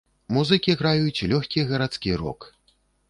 Музыкі граюць лёгкі гарадскі рок.